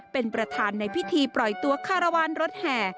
เป็นประธานในพิธีปล่อยตัวคารวาลรถแห่